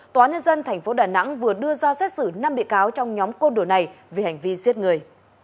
toán nhân dân tp đà nẵng vừa đưa ra xét xử năm bị cáo trong nhóm con đồ này về hành vi giết người